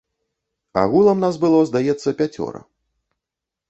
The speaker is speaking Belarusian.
Агулам нас было, здаецца, пяцёра.